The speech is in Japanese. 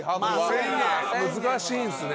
難しいんすね。